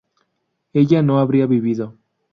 ella no habría vivido